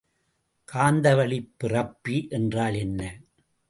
காந்தவழிப் பிறப்பி என்றால் என்ன?